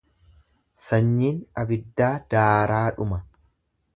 Sanyiin abiddaa daaraadhuma.